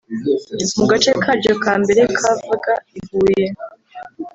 mu gace karyo ka mbere kavaga i Huye